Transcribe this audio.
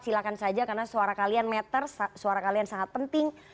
silahkan saja karena suara kalian matter suara kalian sangat penting